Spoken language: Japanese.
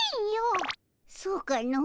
そうかの。